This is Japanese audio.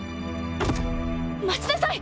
待ちなさい！